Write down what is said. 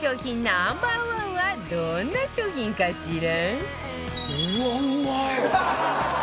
Ｎｏ．１ はどんな商品かしら？